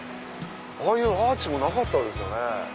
ああいうアーチもなかったですよね。